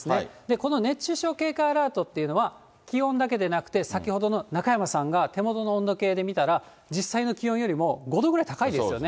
この熱中症警戒アラートというのは、気温だけでなくて、先ほどの、中山さんが手元の温度計で見たら、実際の気温よりも５度ぐらい高いですよね。